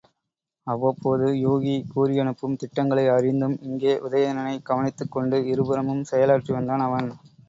அவ்வப்போது யூகி கூறியனுப்பும் திட்டங்களை அறிந்தும், இங்கே உதயணனைக் கவனித்துக் கொண்டு இருபுறமும் செயலாற்றி வந்தான் அவன்.